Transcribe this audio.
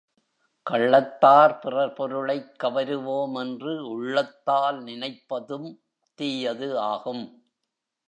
கள்ளத்தால் பிறர் பொருளைக் கவருவோம் என்று உள்ளத்தால் நினைப்பதும் தீயது ஆகும்.